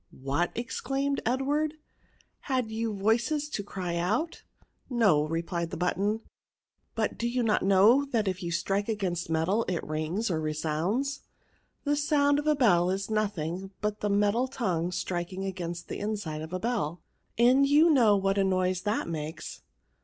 What!" exclaimed Edward ;" had you voices to cry out?" No/* replied the button j but do you not know that if you strike against metal it rings or resounds ? The sound of a bell is nothing but the metal tongue striking against the inside of the bell ; and you know what a noise it makes."